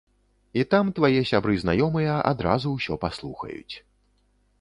І там твае сябры-знаёмыя адразу ўсё паслухаюць.